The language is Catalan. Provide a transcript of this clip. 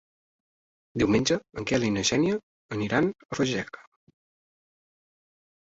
Diumenge en Quel i na Xènia aniran a Fageca.